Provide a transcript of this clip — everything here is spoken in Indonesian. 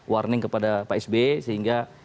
warning kepada pak sb sehingga